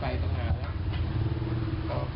เฮ้ยน้องพ่อ